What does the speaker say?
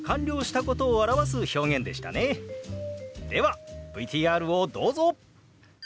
ではＶＴＲをどうぞ！